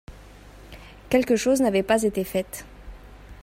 Quelques choses n'avaient pas été faites.